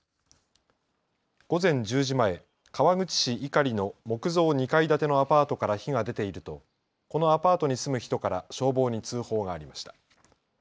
午前１０時前、川口市伊刈の木造２階建てのアパートから火が出ているとこのアパートに住む人から消防に通報がありました。